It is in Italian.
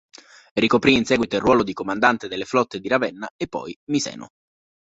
Ricoprì in seguito il ruolo di comandante delle flotte di Ravenna e poi Miseno.